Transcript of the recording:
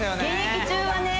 現役中はね